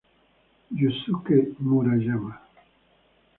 Yusuke Murayama